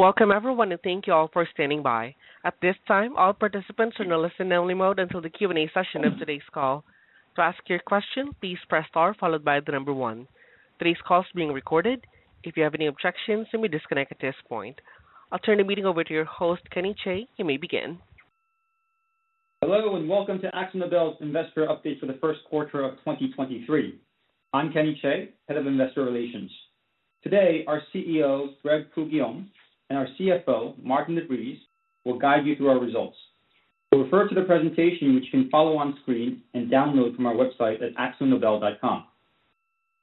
Welcome everyone, thank you all for standing by. At this time, all participants are in a listen only mode until the Q&A session of today's call. To ask your question, please press star followed by one. Today's call is being recorded. If you have any objections, you may disconnect at this point. I'll turn the meeting over to your host, Kenny Chae. You may begin. Hello and welcome to AkzoNobel's Investor Update for the first quarter of 2023. I'm Kenny Chae, Head of Investor Relations. Today, our CEO, Grégoire Poux-Guillaume, and our CFO, Maarten de Vries, will guide you through our results. We'll refer to the presentation, which you can follow on screen and download from our website at akzonobel.com.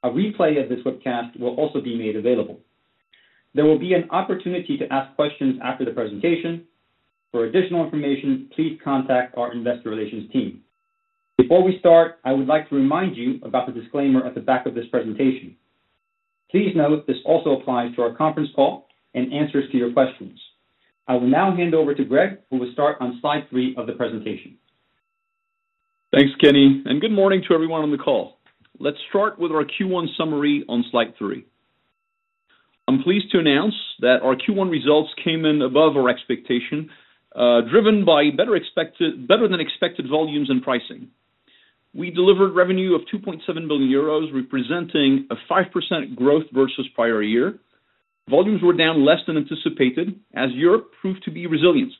A replay of this webcast will also be made available. There will be an opportunity to ask questions after the presentation. For additional information, please contact our investor relations team. Before we start, I would like to remind you about the disclaimer at the back of this presentation. Please note this also applies to our conference call and answers to your questions. I will now hand over to Grég, who will start on slide three of the presentation. Thanks, Kenny. Good morning to everyone on the call. Let's start with our Q1 summary on slide three. I'm pleased to announce that our Q1 results came in above our expectation, driven by better than expected volumes and pricing. We delivered revenue of 2.7 billion euros, representing a 5% growth versus prior year. Volumes were down less than anticipated as Europe proved to be resilient,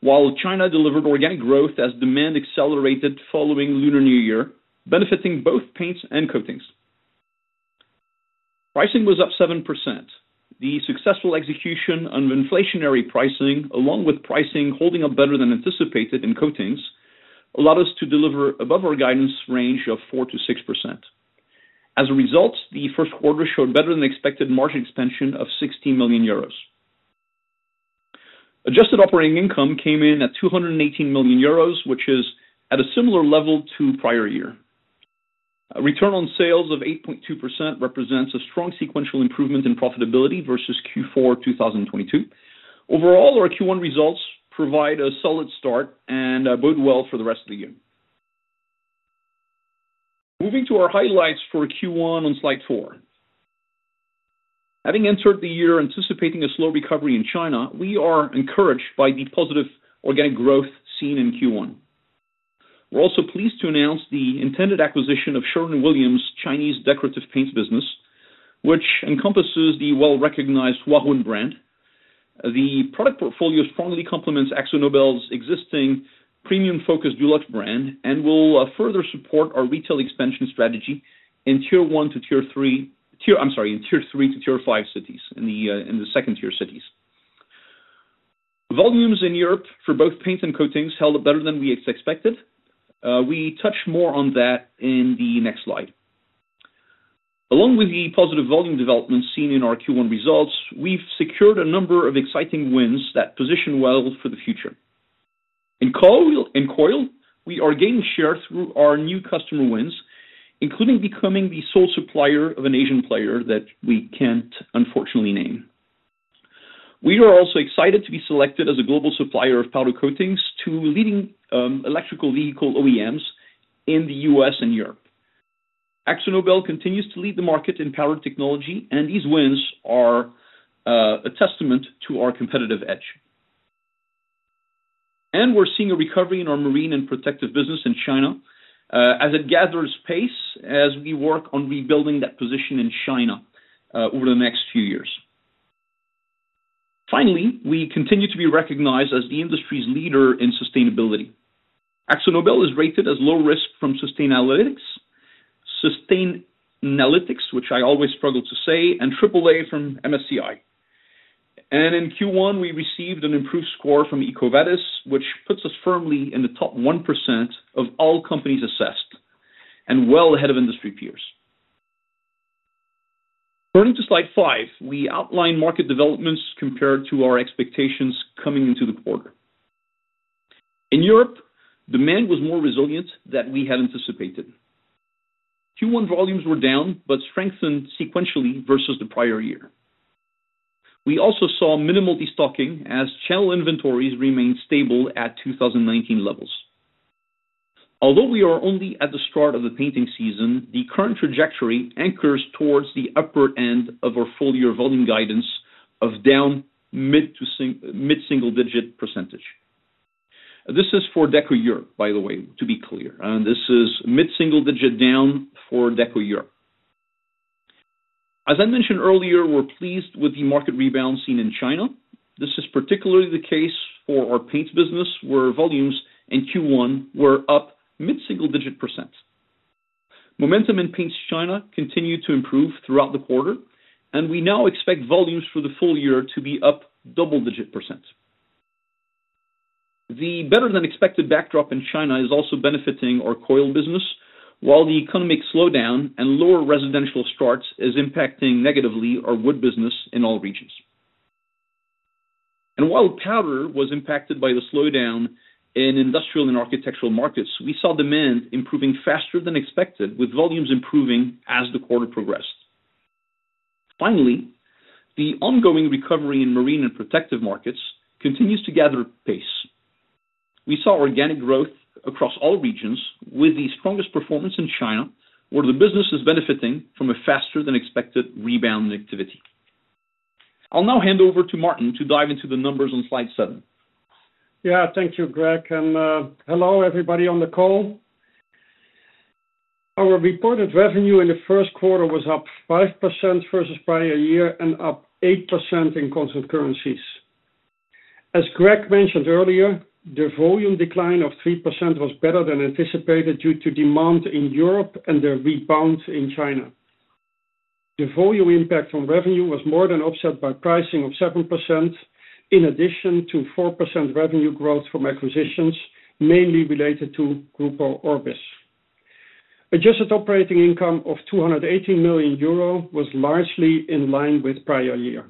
while China delivered organic growth as demand accelerated following Lunar New Year, benefiting both paints and coatings. Pricing was up 7%. The successful execution of inflationary pricing, along with pricing holding up better than anticipated in coatings, allowed us to deliver above our guidance range of 4%-6%. As a result, the first quarter showed better than expected margin expansion of 60 million euros. Adjusted operating income came in at 218 million euros, which is at a similar level to prior year. A return on sales of 8.2% represents a strong sequential improvement in profitability versus Q4 2022. Overall, our Q1 results provide a solid start and bode well for the rest of the year. Moving to our highlights for Q1 on slide four. Having entered the year anticipating a slow recovery in China, we are encouraged by the positive organic growth seen in Q1. We're also pleased to announce the intended acquisition of Sherwin-Williams Chinese Decorative Paints business, which encompasses the well-recognized Huarun brand. The product portfolio strongly complements AkzoNobel's existing premium focus Dulux brand and will further support our retail expansion strategy in Tier 1 to Tier 3. I'm sorry, in Tier 3 to Tier 5 cities in the second-tier cities. Volumes in Europe for both paints and coatings held up better than we expected. We touch more on that in the next slide. Along with the positive volume development seen in our Q1 results, we've secured a number of exciting wins that position well for the future. In coil, we are gaining share through our new customer wins, including becoming the sole supplier of an Asian player that we can't, unfortunately, name. We are also excited to be selected as a global supplier of powder coatings to leading electrical vehicle OEMs in the U.S. and Europe. AkzoNobel continues to lead the market in powder technology, and these wins are a testament to our competitive edge. We're seeing a recovery in our marine and protective business in China, as it gathers pace as we work on rebuilding that position in China, over the next few years. Finally, we continue to be recognized as the industry's leader in sustainability. AkzoNobel is rated as low risk from Sustainalytics. Sustainalytics, which I always struggle to say, and AAA from MSCI. In Q1, we received an improved score from EcoVadis, which puts us firmly in the top 1% of all companies assessed and well ahead of industry peers. Turning to slide five, we outline market developments compared to our expectations coming into the quarter. In Europe, demand was more resilient than we had anticipated. Q1 volumes were down but strengthened sequentially versus the prior year. We also saw minimal destocking as channel inventories remained stable at 2019 levels. Although we are only at the start of the painting season, the current trajectory anchors towards the upper end of our full year volume guidance of down mid-single digit percentage. This is for Deco Europe, by the way, to be clear. This is mid-single digit down for Deco Europe. As I mentioned earlier, we're pleased with the market rebalancing in China. This is particularly the case for our paints business, where volumes in Q1 were up mid-single digit percentage. Momentum in Paints China continued to improve throughout the quarter, and we now expect volumes for the full year to be up double-digit percentage. The better than expected backdrop in China is also benefiting our coil business, while the economic slowdown and lower residential starts is impacting negatively our wood business in all regions. While powder was impacted by the slowdown in industrial and architectural markets, we saw demand improving faster than expected, with volumes improving as the quarter progressed. Finally, the ongoing recovery in marine and protective markets continues to gather pace. We saw organic growth across all regions with the strongest performance in China, where the business is benefiting from a faster than expected rebound in activity. I'll now hand over to Maarten to dive into the numbers on slide seven. Yeah, thank you, Grég. Hello, everybody on the call. Our reported revenue in the first quarter was up 5% versus prior year and up 8% in constant currencies. As Grég mentioned earlier, the volume decline of 3% was better than anticipated due to demand in Europe and the rebound in China. The volume impact on revenue was more than offset by pricing of 7% in addition to 4% revenue growth from acquisitions, mainly related to Grupo Orbis. Adjusted operating income of 280 million euro was largely in line with prior year.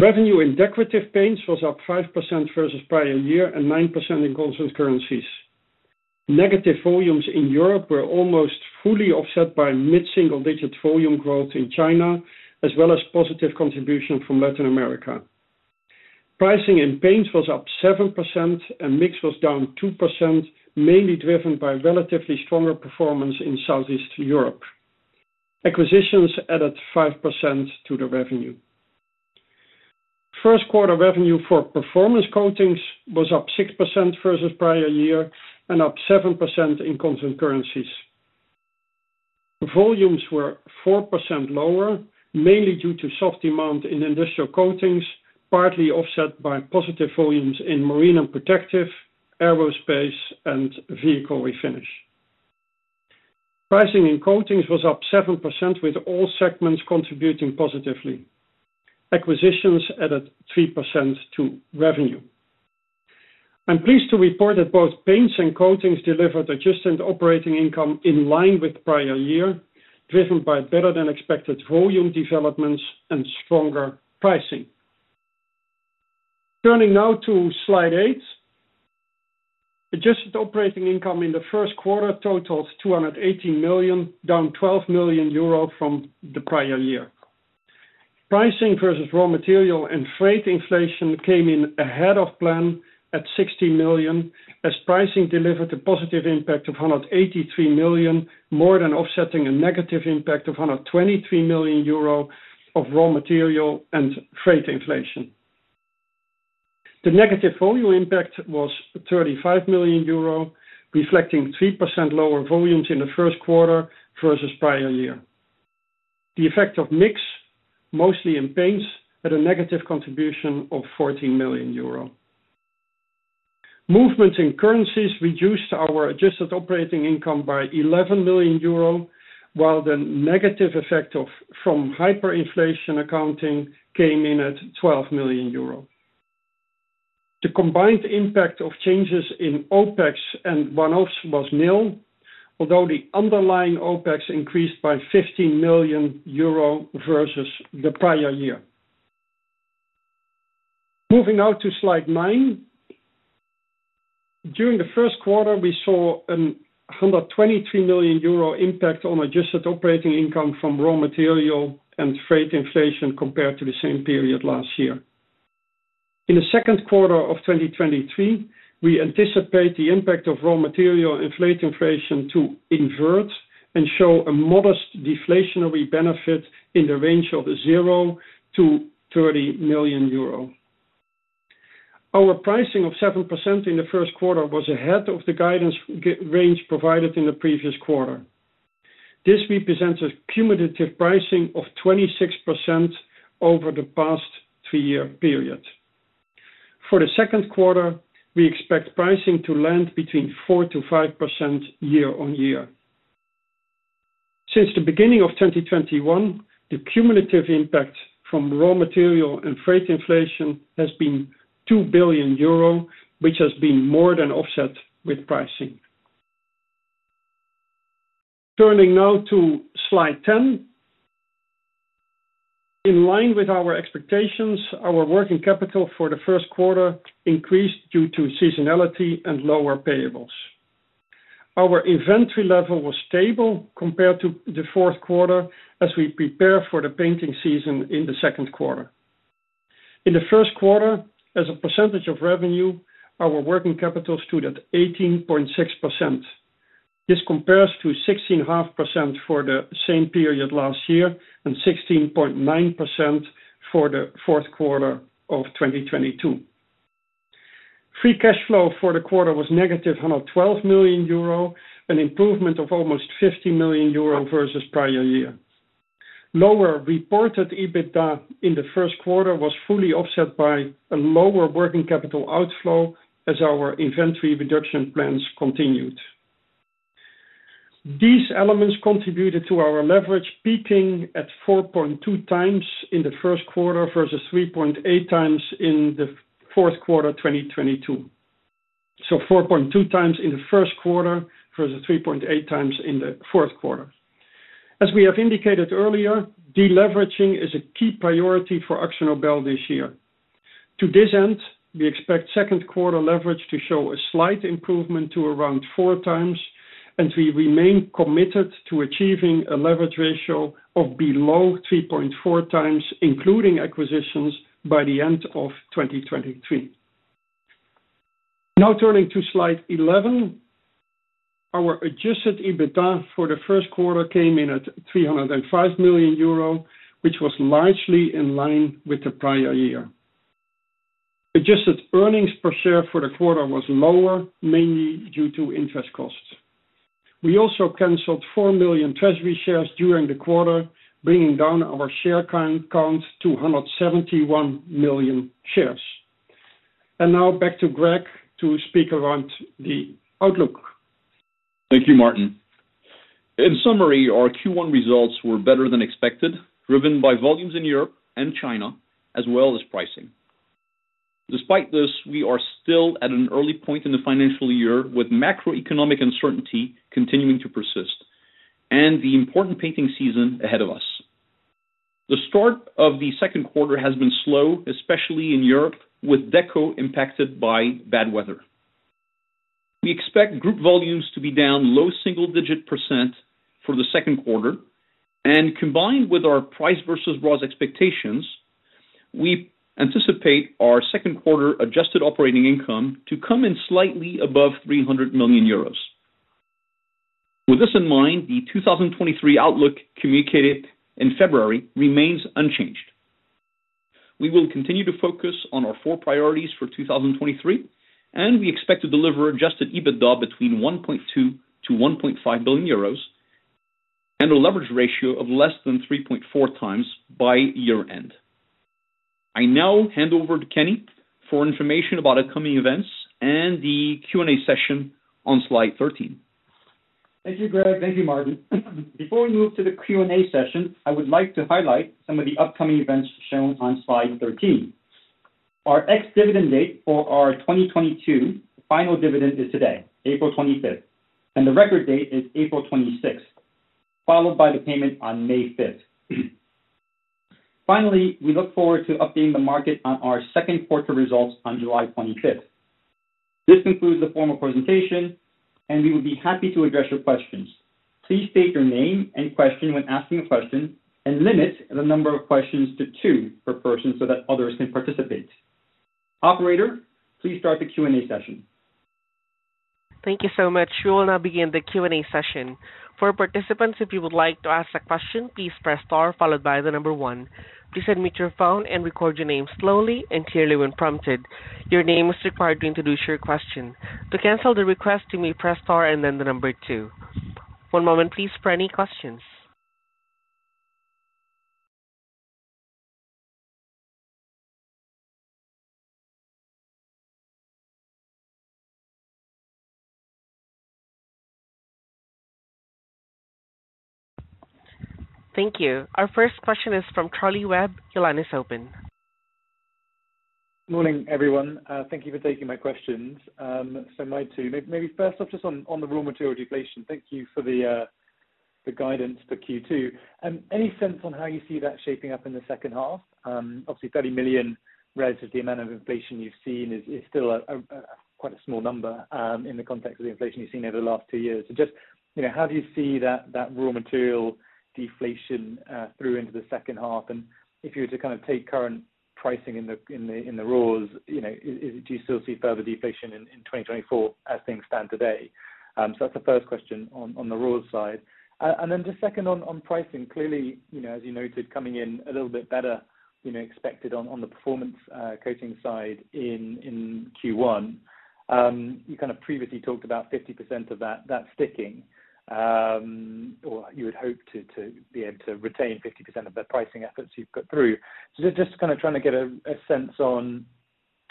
Revenue in Decorative Paints was up 5% versus prior year and 9% in constant currencies. Negative volumes in Europe were almost fully offset by mid-single-digit volume growth in China, as well as positive contribution from Latin America. Pricing in paints was up 7% and mix was down 2%, mainly driven by relatively stronger performance in Southeast Europe. Acquisitions added 5% to the revenue. First quarter revenue for Performance Coatings was up 6% versus prior year and up 7% in constant currencies. Volumes were 4% lower, mainly due to soft demand in industrial coatings, partly offset by positive volumes in marine and protective, aerospace, and vehicle refinish. Pricing in coatings was up 7%, with all segments contributing positively. Acquisitions added 3% to revenue. I'm pleased to report that both paints and coatings delivered adjusted operating income in line with prior year, driven by better than expected volume developments and stronger pricing. Turning now to slide eight. Adjusted operating income in the first quarter totaled 280 million, down 12 million euro from the prior year. Pricing versus raw material and freight inflation came in ahead of plan at 16 million, as pricing delivered a positive impact of 183 million, more than offsetting a negative impact of 123 million euro of raw material and freight inflation. The negative volume impact was 35 million euro, reflecting 3% lower volumes in the first quarter versus prior year. The effect of mix, mostly in paints, had a negative contribution of 14 million euro. Movements in currencies reduced our adjusted operating income by 11 million euro, while the negative effect from hyperinflation accounting came in at 12 million euro. The combined impact of changes in OpEx and one-offs was nil, although the underlying OpEx increased by 15 million euro versus the prior year. Moving now to slide nine. During the first quarter, we saw a 123 million euro impact on adjusted operating income from raw material and freight inflation compared to the same period last year. In the second quarter of 2023, we anticipate the impact of raw material and freight inflation to invert and show a modest deflationary benefit in the range of 0-30 million euro. Our pricing of 7% in the first quarter was ahead of the guidance range provided in the previous quarter. This represents a cumulative pricing of 26% over the past three-year period. For the second quarter, we expect pricing to land between 4%-5% year-on-year. Since the beginning of 2021, the cumulative impact from raw material and freight inflation has been 2 billion euro, which has been more than offset with pricing. Turning now to slide 10. In line with our expectations, our working capital for the first quarter increased due to seasonality and lower payables. Our inventory level was stable compared to the fourth quarter as we prepare for the painting season in the second quarter. In the first quarter, as a percentage of revenue, our working capital stood at 18.6%. This compares to 16.5% for the same period last year and 16.9% for the fourth quarter of 2022. Free cash flow for the quarter was -112 million euro, an improvement of almost 50 million euro versus prior year. Lower reported EBITDA in the first quarter was fully offset by a lower working capital outflow as our inventory reduction plans continued. These elements contributed to our leverage peaking at 4.2x in the first quarter versus 3.8x in the fourth quarter, 2022. 4.2x in the first quarter versus 3.8x in the fourth quarter. As we have indicated earlier, deleveraging is a key priority for AkzoNobel this year. To this end, we expect second quarter leverage to show a slight improvement to around 4x. We remain committed to achieving a leverage ratio of below 3.4x, including acquisitions, by the end of 2023. Turning to slide 11. Our Adjusted EBITDA for the first quarter came in at 305 million euro, which was largely in line with the prior year. Adjusted earnings per share for the quarter was lower, mainly due to interest costs. We also canceled 4 million treasury shares during the quarter, bringing down our share count to 171 million shares. Now back to Grég to speak around the outlook. Thank you, Maarten. In summary, our Q1 results were better than expected, driven by volumes in Europe and China, as well as pricing. Despite this, we are still at an early point in the financial year, with macroeconomic uncertainty continuing to persist and the important painting season ahead of us. The start of the second quarter has been slow, especially in Europe, with Deco impacted by bad weather. We expect group volumes to be down low single-digit % for the second quarter. Combined with our price versus broad expectations, we anticipate our second quarter adjusted operating income to come in slightly above 300 million euros. With this in mind, the 2023 outlook communicated in February remains unchanged. We will continue to focus on our four priorities for 2023, we expect to deliver Adjusted EBITDA between 1.2 billion-1.5 billion euros and a leverage ratio of less than 3.4x by year-end. I now hand over to Kenny for information about upcoming events and the Q&A session on slide 13. Thank you, Grég. Thank you, Maarten. Before we move to the Q&A session, I would like to highlight some of the upcoming events shown on slide 13. Our ex-dividend date for our 2022 final dividend is today, April 25th, and the record date is April 26th, followed by the payment on May 5th. Finally, we look forward to updating the market on our second quarter results on July 25th. This concludes the formal presentation, and we would be happy to address your questions. Please state your name and question when asking a question, and limit the number of questions to two per person so that others can participate. Operator, please start the Q&A session. Thank you so much. We will now begin the Q&A session. For participants, if you would like to ask a question, please press star followed by the number one. Please unmute your phone and record your name slowly and clearly when prompted. Your name is required to introduce your question. To cancel the request, you may press star and then the number two. One moment please, for any questions. Thank you. Our first question is from Charlie Webb. Your line is open. Morning, everyone. Thank you for taking my questions. Maybe first off, just on the raw material deflation. Thank you for the guidance for Q2. Any sense on how you see that shaping up in the second half? Obviously 30 million relative to the amount of inflation you've seen is still quite a small number, in the context of the inflation you've seen over the last two years. Just, you know, how do you see that raw material deflation through into the second half? If you were to kind of take current pricing in the raws, you know, do you still see further deflation in 2024 as things stand today? That's the first question on the raw side. Just second on pricing. Clearly, you know, as you noted, coming in a little bit better, you know, expected on the Performance Coating side in Q1. You kinda previously talked about 50% of that sticking, or you would hope to be able to retain 50% of the pricing efforts you've got through. Just kinda trying to get a sense on,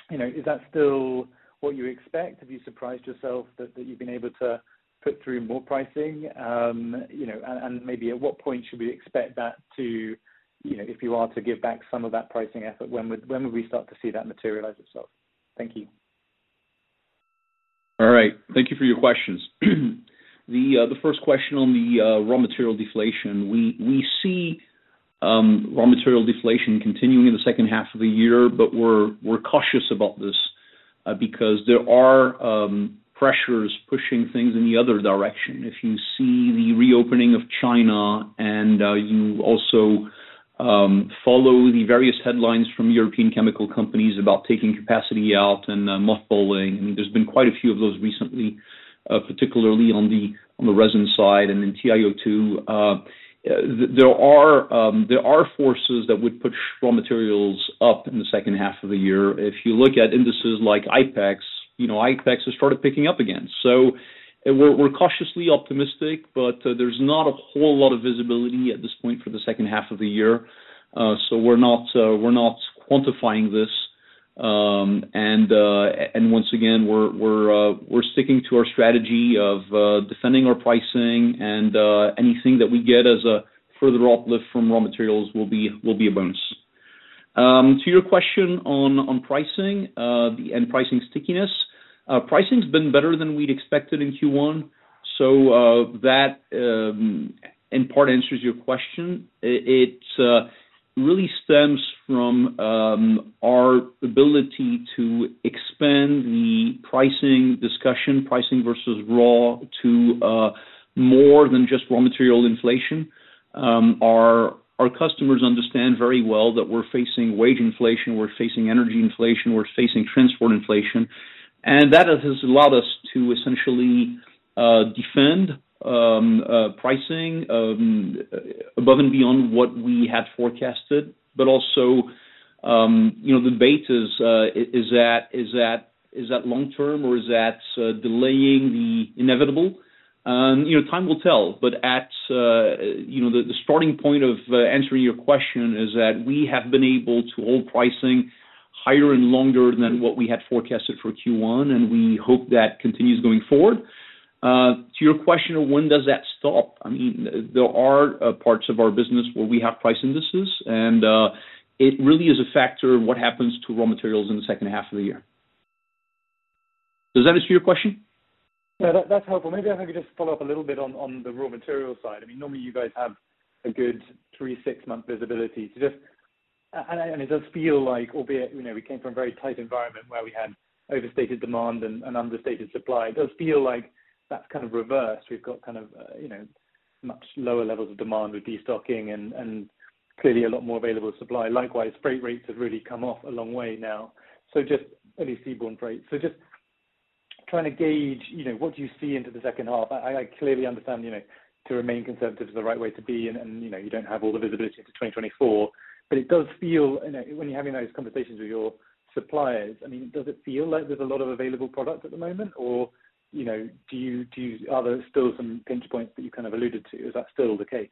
you know, is that still what you expect? Have you surprised yourself that you've been able to put through more pricing? You know, and maybe at what point should we expect that to... You know, if you are to give back some of that pricing effort, when would we start to see that materialize itself? Thank you. All right. Thank you for your questions. The first question on the raw material deflation. We see raw material deflation continuing in the second half of the year, but we're cautious about this because there are pressures pushing things in the other direction. If you see the reopening of China and you also follow the various headlines from European chemical companies about taking capacity out and mothballing, and there's been quite a few of those recently, particularly on the resin side and in TiO2. There are forces that would push raw materials up in the second half of the year. If you look at indices like IPEX, you know, IPEX has started picking up again. We're cautiously optimistic, but there's not a whole lot of visibility at this point for the second half of the year. We're not quantifying this. Once again, we're sticking to our strategy of defending our pricing and anything that we get as a further uplift from raw materials will be a bonus. To your question on pricing, end pricing stickiness. Pricing's been better than we'd expected in Q1. That part answers your question. It really stems from our ability to expand the pricing discussion, pricing versus raw, to more than just raw material inflation. Our customers understand very well that we're facing wage inflation, we're facing energy inflation, we're facing transport inflation. That has allowed us to essentially defend pricing above and beyond what we had forecasted. Also, you know, the debate is that long-term or is that delaying the inevitable? You know, time will tell, but at, you know, the starting point of answering your question is that we have been able to hold pricing higher and longer than what we had forecasted for Q1, and we hope that continues going forward. To your question of when does that stop, I mean, there are parts of our business where we have price indices, and it really is a factor of what happens to raw materials in the second half of the year. Does that answer your question? Yeah. That's helpful. Maybe if I could just follow up a little bit on the raw material side. I mean, normally you guys have a good three, six-month visibility. It does feel like albeit, you know, we came from a very tight environment where we had overstated demand and understated supply. It does feel like that's kind of reversed. We've got kind of, you know, much lower levels of demand with destocking and clearly a lot more available supply. Likewise, freight rates have really come off a long way now. Just any seaborne freight. Just trying to gauge, you know, what do you see into the second half? I clearly understand, you know, to remain conservative is the right way to be and, you know, you don't have all the visibility to 2024. It does feel, and when you're having those conversations with your suppliers, I mean, does it feel like there's a lot of available product at the moment? Or, you know, are there still some pinch points that you kind of alluded to? Is that still the case?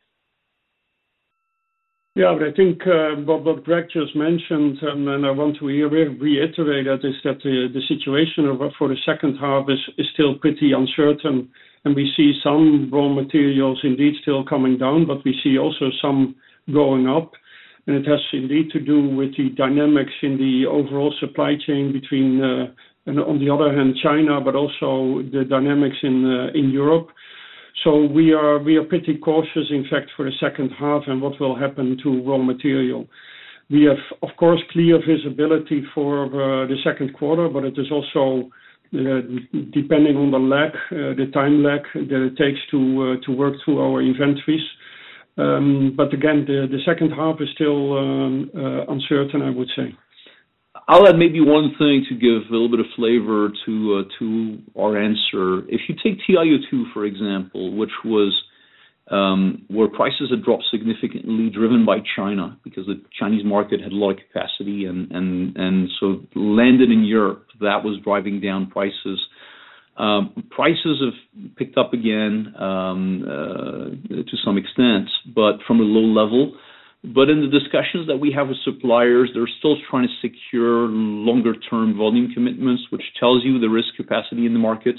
Yeah. I think, what Grég just mentioned, I want to re-reiterate that, is that the situation for the second half is still pretty uncertain. We see some raw materials indeed still coming down, but we see also some going up. It has indeed to do with the dynamics in the overall supply chain between, on the other hand, China, but also the dynamics in Europe. We are pretty cautious, in fact, for the second half and what will happen to raw material. We have, of course, clear visibility for the second quarter, but it is also depending on the lag, the time lag that it takes to work through our inventories. Again, the second half is still uncertain, I would say. I'll add maybe one thing to give a little bit of flavor to our answer. If you take TiO2, for example, which was where prices had dropped significantly driven by China because the Chinese market had a lot of capacity and so landed in Europe, that was driving down prices. Prices have picked up again to some extent, but from a low level. In the discussions that we have with suppliers, they're still trying to secure longer-term volume commitments, which tells you the risk capacity in the market.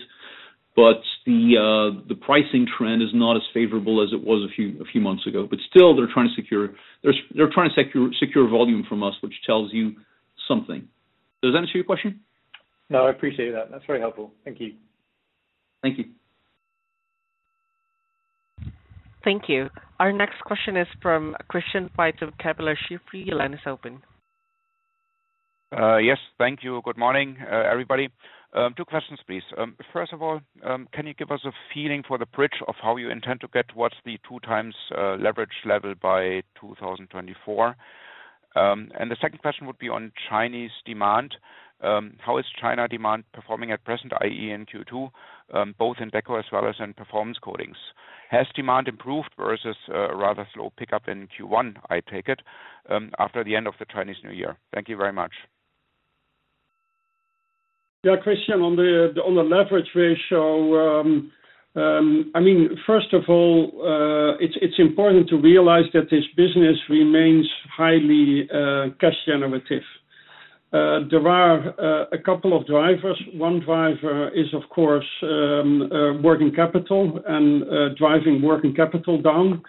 The pricing trend is not as favorable as it was a few months ago. Still they're trying to secure, they're trying to secure volume from us, which tells you something. Does that answer your question? No, I appreciate that. That's very helpful. Thank you. Thank you. Thank you. Our next question is from Christian Faitz of Kepler Cheuvreux. Your line is open. Yes. Thank you. Good morning, everybody. Two questions, please. First of all, can you give us a feeling for the bridge of how you intend to get towards the 2x leverage level by 2024? The second question would be on Chinese demand. How is China demand performing at present, i.e. in Q2, both in Deco as well as in Performance Coatings? Has demand improved versus a rather slow pickup in Q1, I take it, after the end of the Chinese New Year? Thank you very much. Christian, on the leverage ratio, I mean, first of all, it's important to realize that this business remains highly cash generative. There are a couple of drivers. One driver is, of course, working capital and driving working capital down.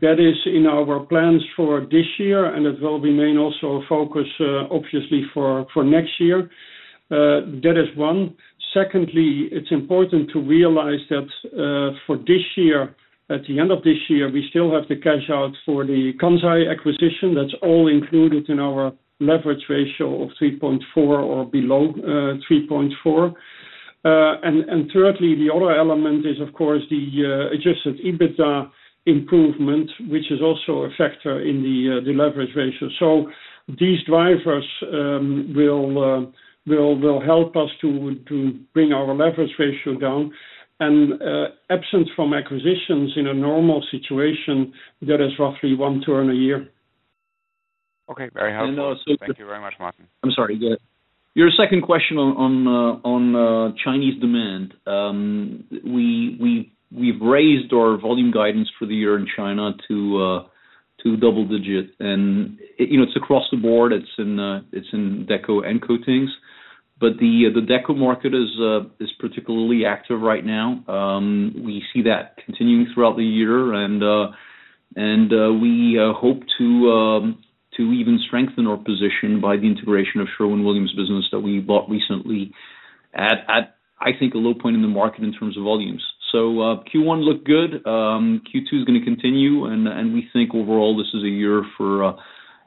That is in our plans for this year, and it will remain also a focus obviously for next year. That is one. Secondly, it's important to realize that for this year, at the end of this year, we still have to cash out for the Kansai acquisition. That's all included in our leverage ratio of 3.4 or below 3.4. Thirdly, the other element is, of course, the Adjusted EBITDA improvement, which is also a factor in the leverage ratio. These drivers will help us to bring our leverage ratio down. Absent from acquisitions in a normal situation, that is roughly one turn a year. Okay. Very helpful. And also- Thank you very much, Maarten. I'm sorry, go ahead. Your second question on Chinese demand. We've raised our volume guidance for the year in China to double-digit. You know, it's across the board. It's in Deco and coatings. The Deco market is particularly active right now. We see that continuing throughout the year. We hope to even strengthen our position by the integration of Sherwin-Williams business that we bought recently at, I think, a low point in the market in terms of volumes. Q1 looked good. Q2 is gonna continue, and we think overall this is a year for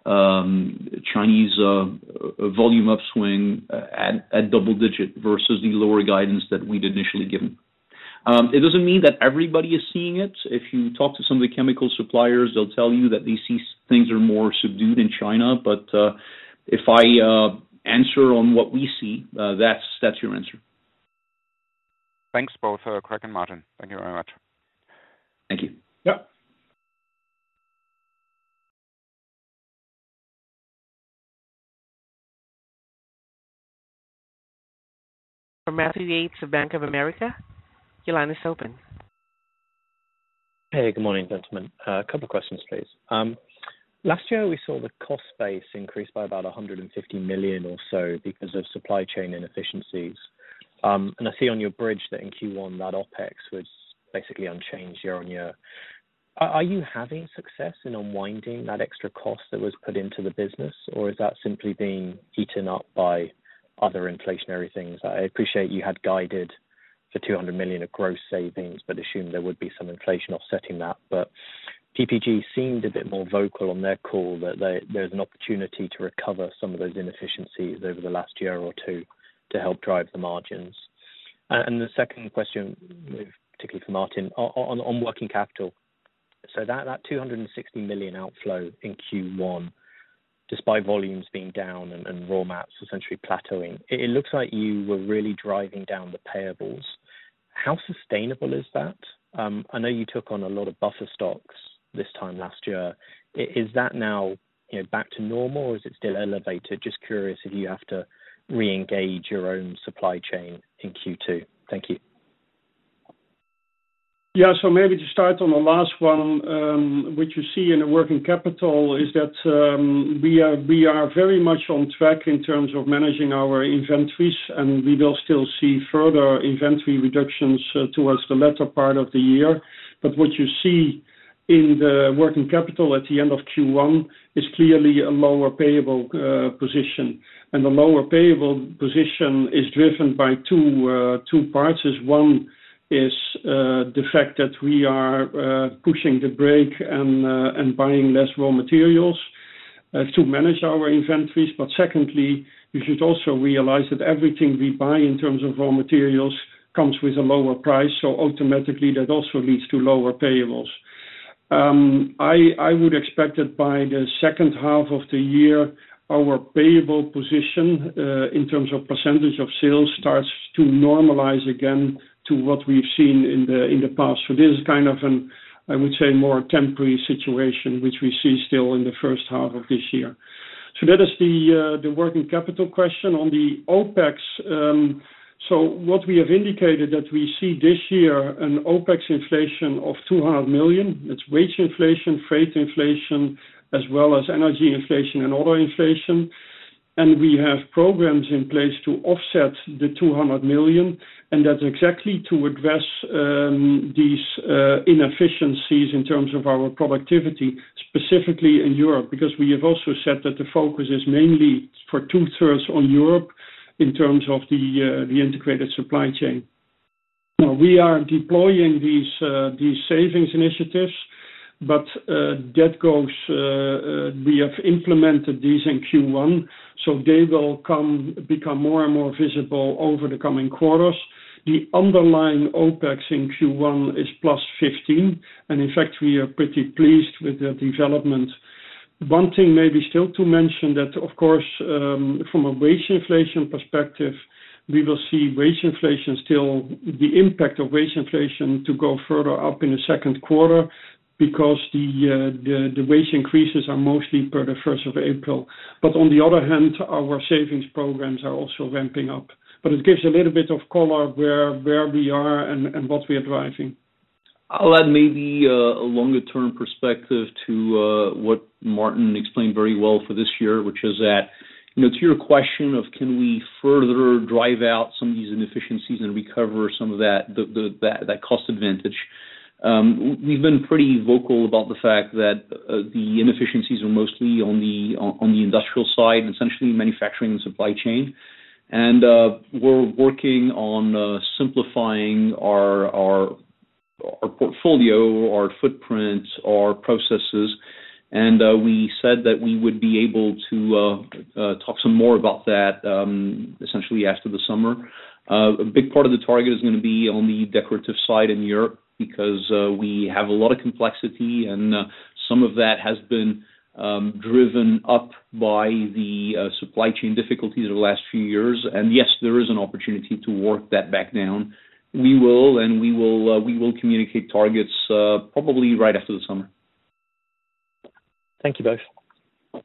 Chinese volume upswing at double-digit versus the lower guidance that we'd initially given. It doesn't mean that everybody is seeing it. If you talk to some of the chemical suppliers, they'll tell you that they see things are more subdued in China. If I answer on what we see, that's your answer. Thanks both, Grég and Maarten. Thank you very much. Thank you. Yep. From Matthew Yates of Bank of America, your line is open. Hey, good morning, gentlemen. A couple questions, please. Last year, we saw the cost base increase by about 150 million or so because of supply chain inefficiencies. I see on your bridge that in Q1, that OpEx was basically unchanged year-on-year. Are you having success in unwinding that extra cost that was put into the business? Or is that simply being eaten up by other inflationary things? I appreciate you had guided for 200 million of gross savings, but assume there would be some inflation offsetting that. PPG seemed a bit more vocal on their call that there's an opportunity to recover some of those inefficiencies over the last year or two to help drive the margins. The second question, particularly for Maarten, on working capital. That 260 million outflow in Q1, despite volumes being down and raw mats essentially plateauing, it looks like you were really driving down the payables. How sustainable is that? I know you took on a lot of buffer stocks this time last year. Is that now, you know, back to normal or is it still elevated? Just curious if you have to reengage your own supply chain in Q2. Thank you. Yeah. Maybe to start on the last one, what you see in the working capital is that we are very much on track in terms of managing our inventories, and we will still see further inventory reductions towards the latter part of the year. What you see in the working capital at the end of Q1 is clearly a lower payable position. The lower payable position is driven by two parts. One is the fact that we are pushing the brake and buying less raw materials to manage our inventories. Secondly, you should also realize that everything we buy in terms of raw materials comes with a lower price, so automatically that also leads to lower payables. I would expect that by the second half of the year, our payable position in terms of percentage of sales, starts to normalize again to what we've seen in the past. This is kind of an, I would say, more temporary situation, which we see still in the first half of this year. That is the working capital question. On the OpEx, what we have indicated that we see this year an OpEx inflation of 200 million. It's wage inflation, freight inflation, as well as energy inflation and auto inflation. We have programs in place to offset the 200 million, and that's exactly to address these inefficiencies in terms of our productivity, specifically in Europe. We have also said that the focus is mainly for two-thirds on Europe in terms of the integrated supply chain. We are deploying these savings initiatives, but that goes, we have implemented these in Q1, so they will become more and more visible over the coming quarters. The underlying OpEx in Q1 is +15, and in fact, we are pretty pleased with the development. One thing maybe still to mention that, of course, from a wage inflation perspective, we will see wage inflation still, the impact of wage inflation to go further up in the second quarter because the wage increases are mostly for the first of April. On the other hand, our savings programs are also ramping up. It gives a little bit of color where we are and what we are driving. I'll add maybe a longer-term perspective to what Maarten explained very well for this year, which is that, you know, to your question of can we further drive out some of these inefficiencies and recover some of that cost advantage. We've been pretty vocal about the fact that the inefficiencies are mostly on the industrial side, essentially manufacturing and supply chain. We're working on simplifying our portfolio, our footprint, our processes. We said that we would be able to talk some more about that essentially after the summer. A big part of the target is gonna be on the Decorative side in Europe because we have a lot of complexity and some of that has been driven up by the supply chain difficulties over the last few years. Yes, there is an opportunity to work that back down. We will communicate targets probably right after the summer. Thank you both.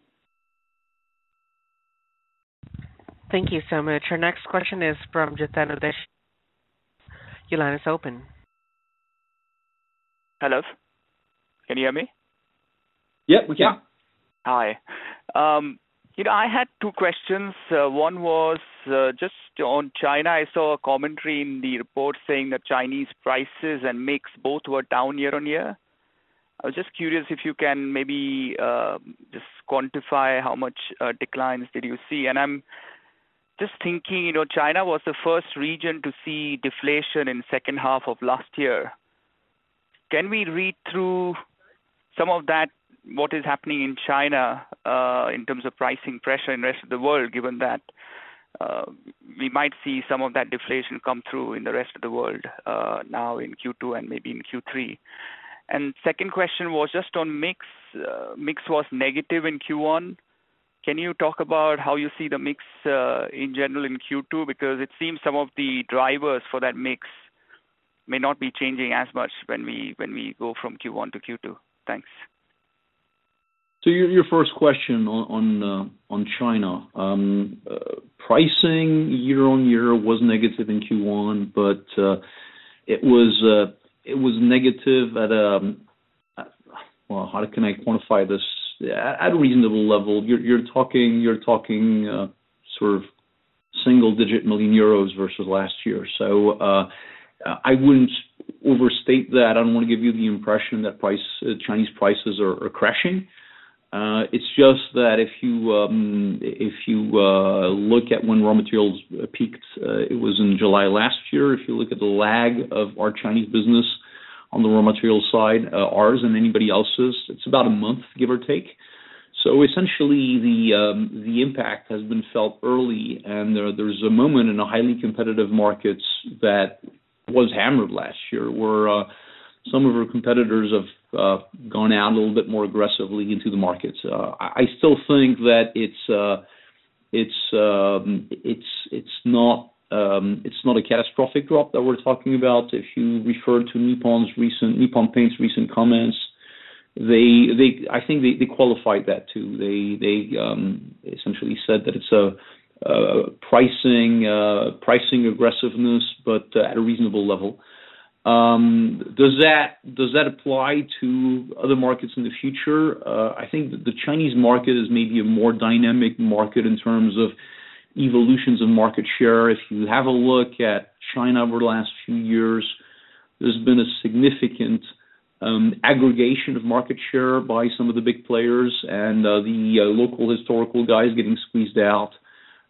Thank you so much. Your next question is from Chetan Udeshi. Your line is open. Hello? Can you hear me? Yep, we can. Hi. you know, I had two questions. One was just on China. I saw a commentary in the report saying that Chinese prices and mix both were down year-on-year. I was just curious if you can maybe just quantify how much declines did you see? I'm just thinking, you know, China was the first region to see deflation in second half of last year. Can we read through some of that, what is happening in China, in terms of pricing pressure in the rest of the world, given that we might see some of that deflation come through in the rest of the world, now in Q2 and maybe in Q3? Second question was just on mix. Mix was negative in Q1. Can you talk about how you see the mix in general in Q2? It seems some of the drivers for that mix may not be changing as much when we go from Q1 to Q2. Thanks. Your first question on China. Pricing year-on-year was negative in Q1, but it was negative at... Well, how can I quantify this? At a reasonable level, you're talking single-digit million euro versus last year. I wouldn't overstate that. I don't want to give you the impression that Chinese prices are crashing. It's just that if you, if you look at when raw materials peaked, it was in July last year. If you look at the lag of our Chinese business on the raw materials side, ours and anybody else's, it's about a month, give or take. Essentially, the impact has been felt early. There, there's a moment in a highly competitive markets that was hammered last year where some of our competitors have gone out a little bit more aggressively into the markets. I still think that it's not a catastrophic drop that we're talking about. If you refer to Nippon Paint's recent comments, I think they qualified that too. They essentially said that it's a pricing aggressiveness, but at a reasonable level. Does that apply to other markets in the future? I think the Chinese market is maybe a more dynamic market in terms of evolutions of market share. If you have a look at China over the last few years, there's been a significant aggregation of market share by some of the big players and the local historical guys getting squeezed out.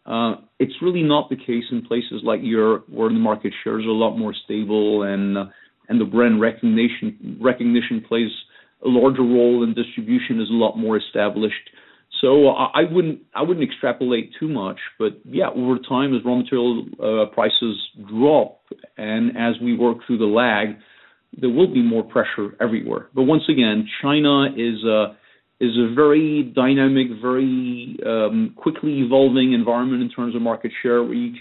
It's really not the case in places like Europe, where the market share is a lot more stable and the brand recognition plays a larger role and distribution is a lot more established. I wouldn't extrapolate too much. Yeah, over time, as raw material prices drop and as we work through the lag, there will be more pressure everywhere. Once again, China is a very dynamic, very quickly evolving environment in terms of market share, where you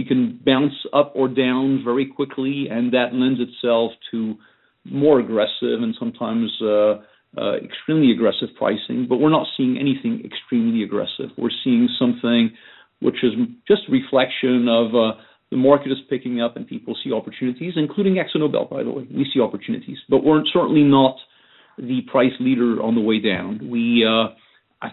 can bounce up or down very quickly, and that lends itself to more aggressive and sometimes extremely aggressive pricing. We're not seeing anything extremely aggressive. We're seeing something which is just reflection of the market is picking up and people see opportunities, including AkzoNobel, by the way. We see opportunities, but we're certainly not the price leader on the way down.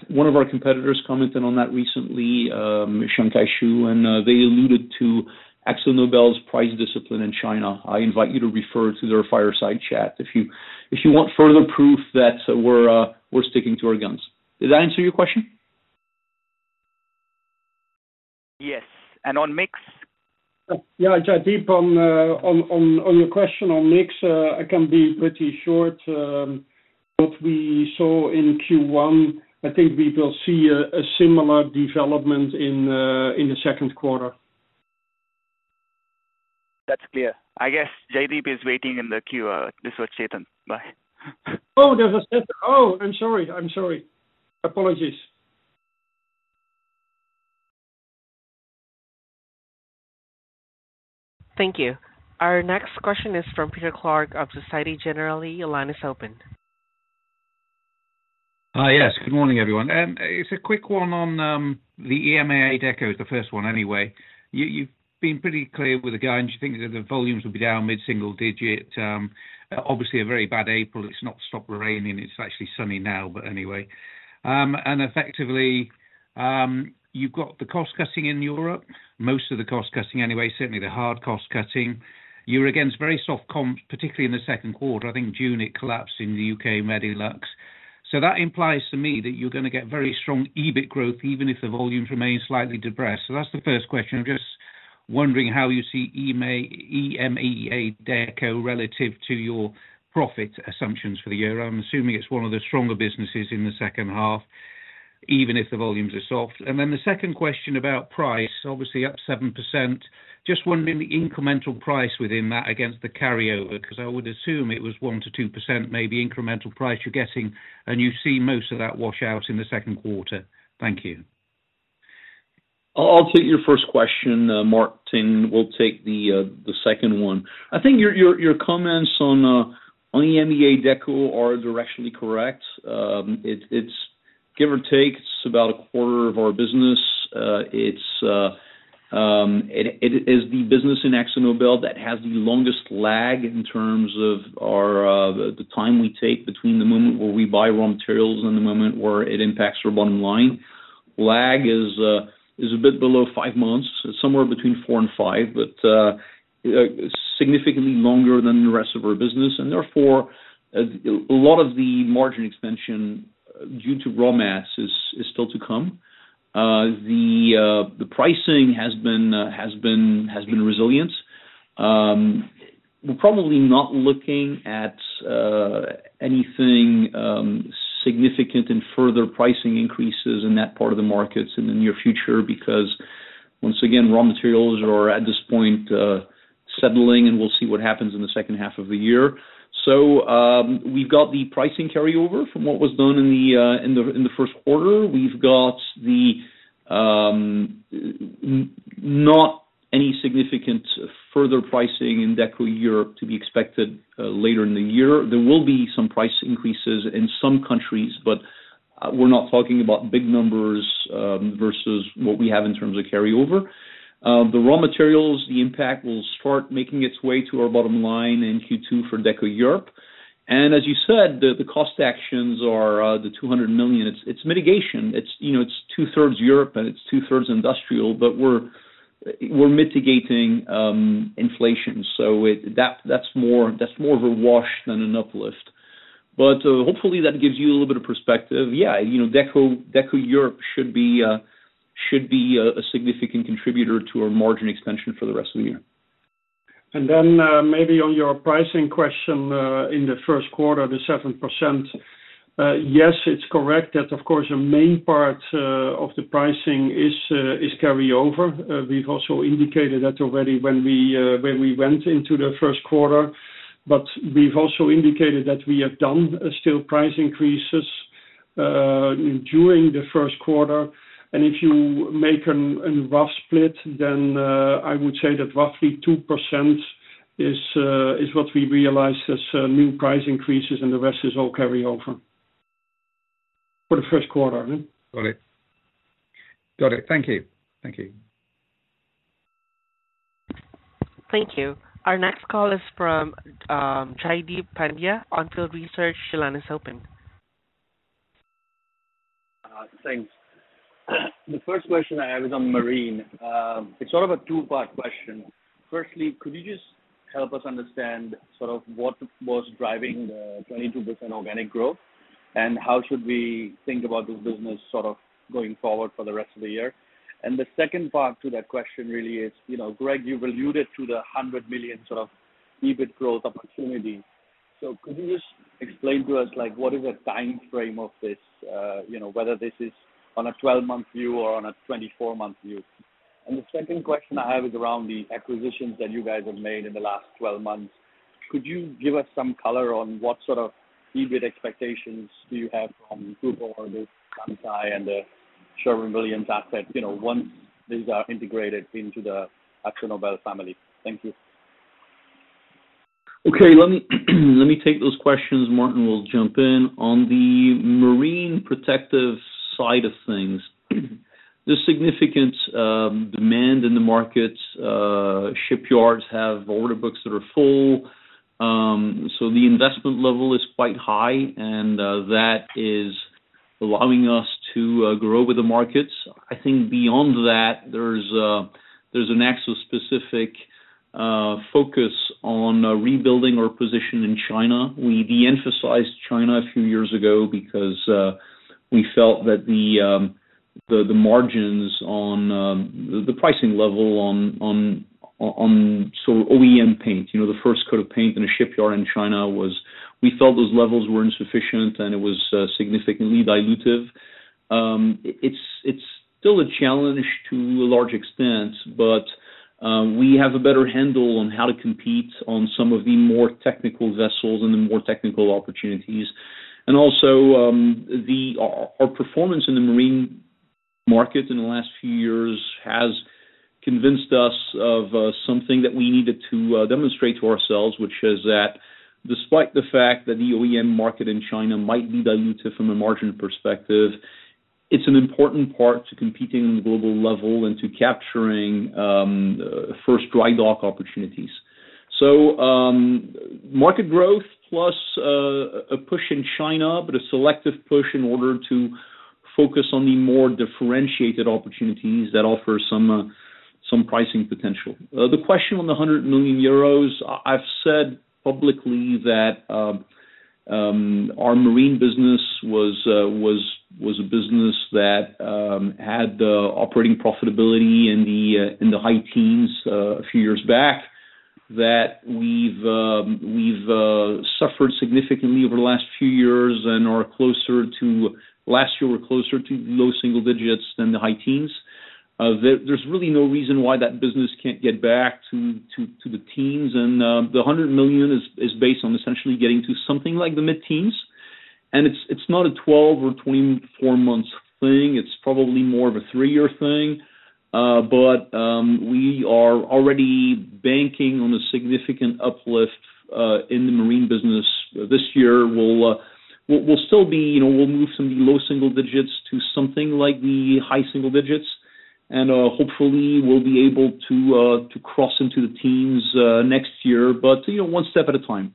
One of our competitors commented on that recently, [SKSHU], and they alluded to AkzoNobel's price discipline in China. I invite you to refer to their fireside chat if you want further proof that we're sticking to our guns. Did I answer your question? Yes. On mix? Yeah. Jaideep on your question on mix, I can be pretty short. What we saw in Q1, I think we will see a similar development in the second quarter. That's clear. I guess Jaideep is waiting in the queue. This was Chetan. Bye. Oh. Oh, I'm sorry. Apologies. Thank you. Our next question is from Peter Clark of Société Générale. Your line is open. Yes. Good morning, everyone. It's a quick one on the EMEA Deco, the first one anyway. You've been pretty clear with the guidance. You think that the volumes will be down mid-single digit. Obviously a very bad April. It's not stopped raining. It's actually sunny now, anyway. Effectively, you've got the cost cutting in Europe, most of the cost cutting anyway, certainly the hard cost cutting. You're against very soft comp, particularly in the second quarter. I think June, it collapsed in the U.K. Dulux. That implies to me that you're gonna get very strong EBIT growth, even if the volumes remain slightly depressed. That's the first question. I'm just wondering how you see EMEA Deco relative to your profit assumptions for the year. I'm assuming it's one of the stronger businesses in the second half, even if the volumes are soft. The second question about price, obviously up 7%. Just wondering the incremental price within that against the carryover, 'cause I would assume it was 1%-2% maybe incremental price you're getting, and you see most of that wash out in the second quarter. Thank you. I'll take your first question. Maarten will take the second one. I think your comments on EMEA Deco are directionally correct. It's give or take, it's about a quarter of our business. It is the business in AkzoNobel that has the longest lag in terms of our, the time we take between the moment where we buy raw materials and the moment where it impacts our bottom line. Lag is a bit below five months, somewhere between four and five, but significantly longer than the rest of our business. Therefore, a lot of the margin expansion due to raw mass is still to come. The pricing has been resilient. We're probably not looking at anything significant in further pricing increases in that part of the markets in the near future, because once again, raw materials are, at this point, settling, and we'll see what happens in the second half of the year. We've got the pricing carryover from what was done in the first quarter. We've got the not any significant further pricing in Deco Europe to be expected later in the year. There will be some price increases in some countries, but we're not talking about big numbers versus what we have in terms of carryover. The raw materials, the impact will start making its way to our bottom line in Q2 for Deco Europe. As you said, the cost actions are 200 million. It's mitigation. It's, you know, it's two-thirds Europe, and it's two-thirds industrial, but we're mitigating inflation. That's more of a wash than an uplift. Hopefully, that gives you a little bit of perspective. You know, Deco Europe should be a significant contributor to our margin expansion for the rest of the year. Maybe on your pricing question, in the first quarter, the 7%. Yes, it's correct that of course, a main part of the pricing is carryover. We've also indicated that already when we went into the first quarter. We've also indicated that we have done still price increases during the first quarter. If you make a rough split, then, I would say that roughly 2% is what we realized as new price increases, and the rest is all carryover for the first quarter. Got it. Got it. Thank you. Thank you. Thank you. Our next call is from Jaideep Pandya, On Field Research. Your line is open. Thanks. The first question I have is on marine. It's sort of a two-part question. Firstly, could you just help us understand sort of what was driving the 22% organic growth, and how should we think about this business sort of going forward for the rest of the year? The second part to that question really is, you know, Grég, you've alluded to the 100 million sort of EBIT growth opportunity. Could you just explain to us, like, what is the timeframe of this? You know, whether this is on a 12-month view or on a 24-month view. The second question I have is around the acquisitions that you guys have made in the last 12 months. Could you give us some color on what sort of EBIT expectations do you have from Grupo or the Kansai and the Sherwin-Williams asset, you know, once these are integrated into the AkzoNobel family? Thank you. Okay. Let me take those questions. Maarten will jump in. On the marine protective side of things, there's significant demand in the markets. Shipyards have order books that are full. The investment level is quite high, and that is allowing us to grow with the markets. I think beyond that, there's an Akzo-specific focus on rebuilding our position in China. We de-emphasized China a few years ago because we felt that the margins on the pricing level on OEM paint, you know, the first coat of paint in a shipyard in China, we felt those levels were insufficient, and it was significantly dilutive. It's still a challenge to a large extent, but we have a better handle on how to compete on some of the more technical vessels and the more technical opportunities. Also, our performance in the marine market in the last few years has convinced us of something that we needed to demonstrate to ourselves, which is that despite the fact that the OEM market in China might be dilutive from a margin perspective, it's an important part to competing on the global level and to capturing first dry dock opportunities. Market growth plus a push in China, but a selective push in order to focus on the more differentiated opportunities that offer some pricing potential. The question on the 100 million euros, I've said publicly that our marine business was a business that had the operating profitability in the high teens a few years back. That we've suffered significantly over the last few years and last year were closer to low single digits than the high teens. There's really no reason why that business can't get back to the teens. The 100 million is based on essentially getting to something like the mid-teens. It's not a 12 or 24 months thing. It's probably more of three-year thing. We are already banking on a significant uplift in the marine business this year. We'll, we'll still be, you know, we'll move from the low single digits to something like the high single digits, hopefully we'll be able to cross into the teens next year, one step at a time.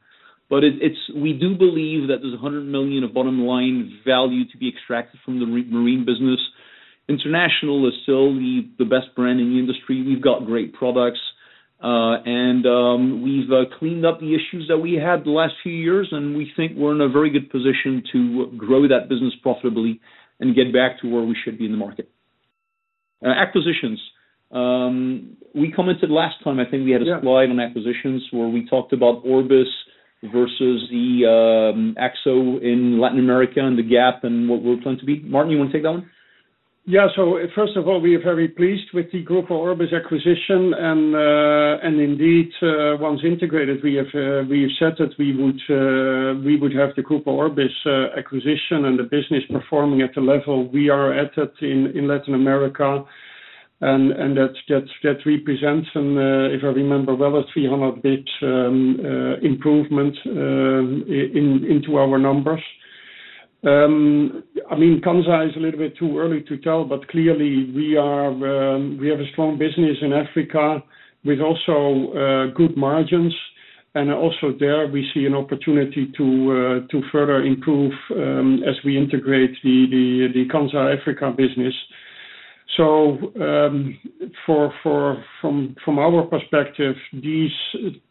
We do believe that there's 100 million of bottom line value to be extracted from the marine business. International is still the best brand in the industry. We've got great products, we've cleaned up the issues that we had the last few years, we think we're in a very good position to grow that business profitably and get back to where we should be in the market. Acquisitions. We commented last time, I think we had. Yeah. A slide on acquisitions where we talked about Orbis versus the Akzo in Latin America and the gap and what we'll plan to be. Maarten, you wanna take that one? Yeah. First of all, we are very pleased with the Grupo Orbis acquisition. And indeed, once integrated, we have said that we would have the Grupo Orbis acquisition and the business performing at the level we are at it in Latin America. And that's, that represents, if I remember well, a 300 basis points improvement into our numbers. I mean, Kansai is a little bit too early to tell, but clearly we have a strong business in Africa with also good margins. And also there we see an opportunity to further improve as we integrate the Kansai Paint Africa business. For, for... From our perspective, these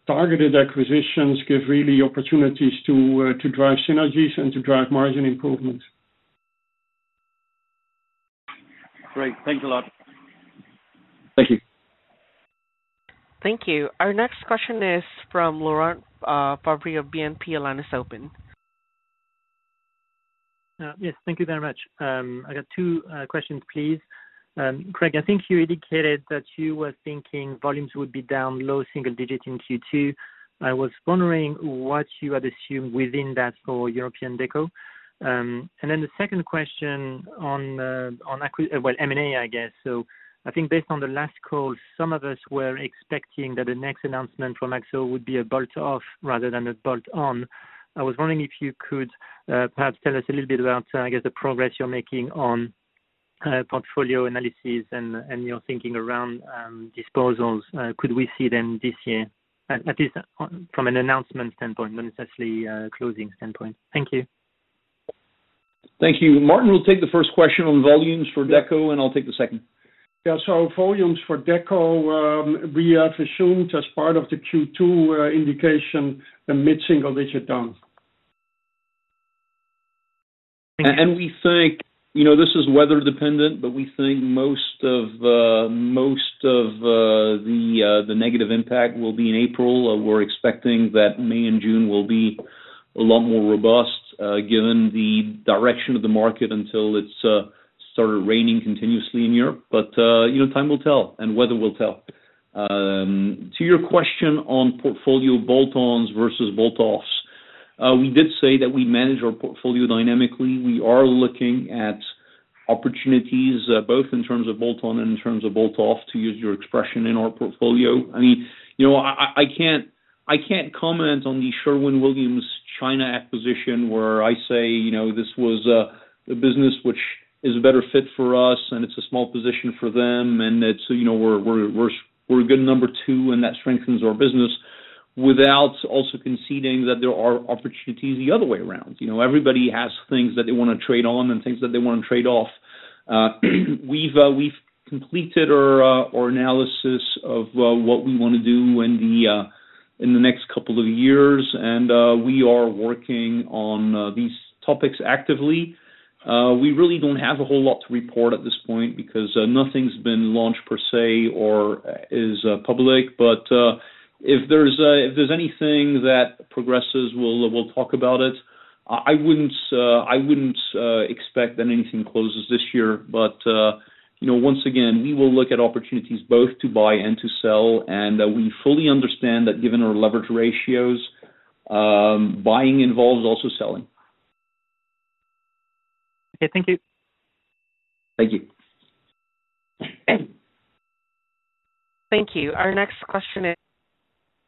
targeted acquisitions give really opportunities to drive synergies and to drive margin improvement. Great. Thanks a lot. Thank you. Thank you. Our next question is from Laurent Favre of BNP line is open. Yes. Thank you very much. I got two questions, please. Grég, I think you indicated that you were thinking volumes would be down low single digit in Q2. I was wondering what you had assumed within that for European Deco. The second question on M&A, I guess. I think based on the last call, some of us were expecting that the next announcement from Akzo would be a bolt-off rather than a bolt-on. I was wondering if you could perhaps tell us a little bit about, I guess, the progress you're making on portfolio analysis and your thinking around disposals. Could we see them this year, at least from an announcement standpoint, not necessarily a closing standpoint? Thank you. Thank you. Maarten will take the first question on volumes for Deco. I'll take the second. Volumes for Deco, we have assumed as part of the Q2 indication a mid-single digit down. We think, you know, this is weather dependent, but we think most of the negative impact will be in April. We're expecting that May and June will be a lot more robust, given the direction of the market until it's sort of raining continuously in Europe. You know, time will tell and weather will tell. To your question on portfolio bolt-ons versus bolt-offs, we did say that we manage our portfolio dynamically. We are looking at opportunities, both in terms of bolt-on and in terms of bolt-off, to use your expression in our portfolio. I mean, you know, I can't comment on The Sherwin-Williams Company China acquisition where I say, you know, this was a business which is a better fit for us, and it's a small position for them, and it's, you know, we're a good number two and that strengthens our business without also conceding that there are opportunities the other way around. Everybody has things that they wanna trade on and things that they wanna trade off. We've completed our analysis of what we wanna do in the next couple of years, and we are working on these topics actively. We really don't have a whole lot to report at this point because nothing's been launched per se or is public. If there's anything that progresses, we'll talk about it. I wouldn't expect that anything closes this year. You know, once again, we will look at opportunities both to buy and to sell. We fully understand that given our leverage ratios, buying involves also selling. Okay. Thank you. Thank you. Thank you. Our next question is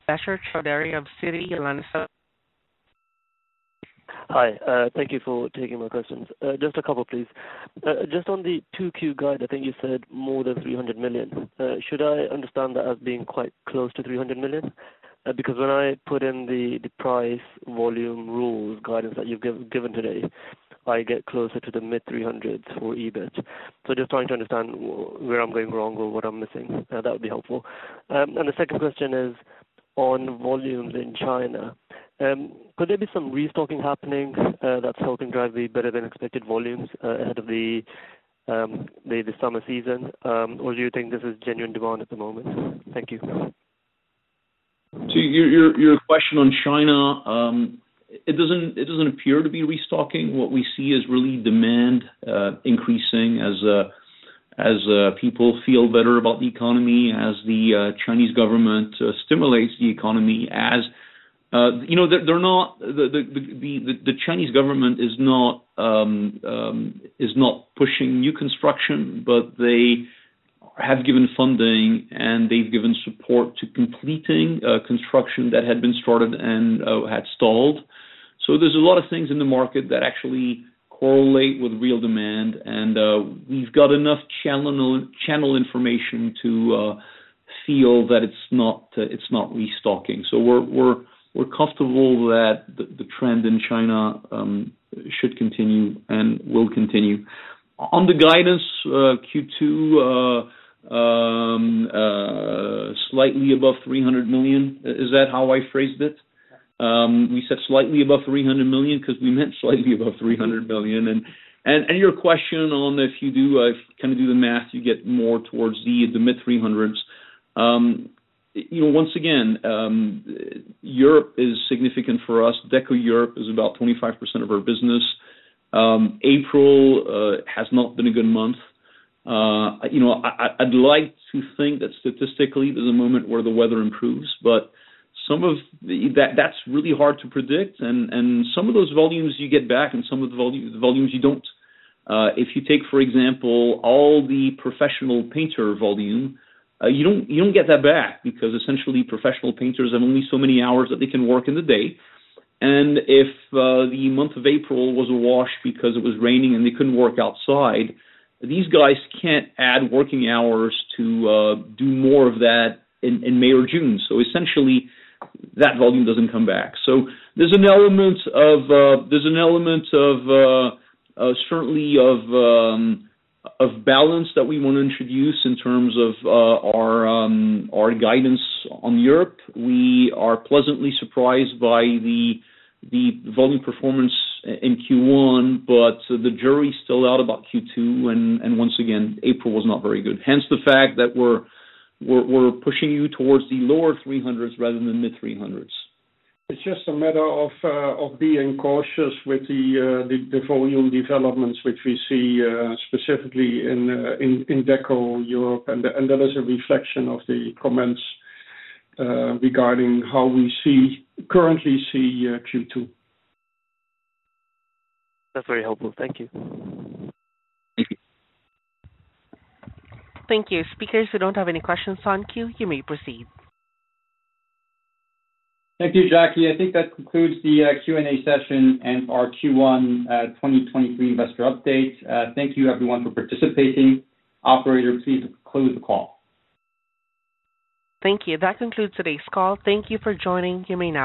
Bashar Chaudhri of Citi. Your line is open. Hi. Thank you for taking my questions. Just a couple, please. Just on the 2Q guide, I think you said more than 300 million. Should I understand that as being quite close to 300 million? When I put in the price volume rules guidance that you've given today, I get closer to the mid EUR 300s for EBIT. Just trying to understand where I'm going wrong or what I'm missing, that would be helpful. The second question is on volumes in China. Could there be some restocking happening that's helping drive the better than expected volumes ahead of the summer season? Do you think this is genuine demand at the moment? Thank you. To your question on China, it doesn't appear to be restocking. What we see is really demand increasing as people feel better about the economy, as the Chinese Government stimulates the economy. You know, they're not the Chinese Government is not pushing new construction, but they have given funding and they've given support to completing construction that had been started and had stalled. There's a lot of things in the market that actually correlate with real demand, and we've got enough channel information to feel that it's not restocking. We're comfortable that the trend in China should continue and will continue. On the guidance, Q2, slightly above 300 million. Is that how I phrased it? We said slightly above 300 million 'cause we meant slightly above 300 million. Your question on if you do, kinda do the math, you get more towards the mid-EUR 300s. You know, once again, Europe is significant for us. Deco Europe is about 25% of our business. April has not been a good month. You know, I'd like to think that statistically there's a moment where the weather improves, but that's really hard to predict and some of those volumes you get back and some of the volumes you don't. If you take, for example, all the professional painter volume, you don't get that back because essentially professional painters have only so many hours that they can work in the day. If the month of April was a wash because it was raining and they couldn't work outside, these guys can't add working hours to do more of that in May or June. Essentially, that volume doesn't come back. There's an element of certainly of balance that we wanna introduce in terms of our guidance on Europe. We are pleasantly surprised by the volume performance in Q1, but the jury is still out about Q2 once again, April was not very good. Hence the fact that we're pushing you towards the lower th300s rather than mid-300s. It's just a matter of being cautious with the volume developments which we see specifically in Deco Europe, and that is a reflection of the comments regarding how we currently see Q2. That's very helpful. Thank you. Thank you. Speakers who don't have any questions on queue, you may proceed. Thank you, Jackie. I think that concludes the Q&A session and our Q1 2023 Investor Update. Thank you everyone for participating. Operator, please close the call. Thank you. That concludes today's call. Thank you for joining. You may now disconnect.